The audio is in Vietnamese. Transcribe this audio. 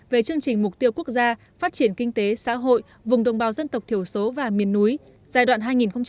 về chương trình mục tiêu quốc gia phát triển kinh tế xã hội vùng đồng bào dân tộc thiểu số và miền núi giai đoạn hai nghìn hai mươi một hai nghìn ba mươi